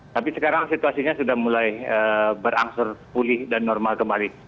tapi sekarang situasinya sudah mulai berangsur pulih dan normal kembali